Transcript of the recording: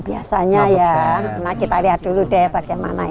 biasanya ya kita lihat dulu deh bagaimana ya